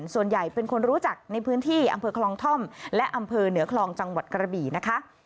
ส่วนใหญ่เป็นคนรู้จักในพื้นที่อำเภอคลองท่อมและอำเภอเหนือคลองจังหวัดกระบี่นะคะ